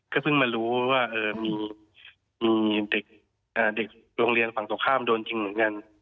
เพิ่งมารู้ว่ามีเด็กโรงเรียนฝั่งตรงข้ามโดนจริงเหมือนกัน